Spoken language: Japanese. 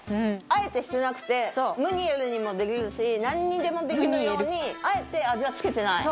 あえてしてなくてムニエルにもできるしなんにでもできるようにあえて味は付けてない。